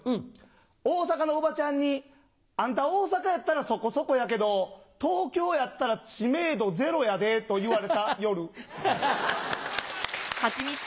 大阪のおばちゃんに「あんた大阪やったらそこそこやけど東京やったら知名度ゼロやで」と言われた夜。